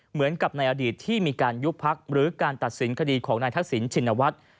เหมือนกับในอดีตที่มีการยุบพักหรือการตัดสินคดีของนายทักษิณชินวัฒน์